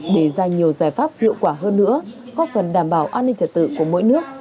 để ra nhiều giải pháp hiệu quả hơn nữa góp phần đảm bảo an ninh trật tự của mỗi nước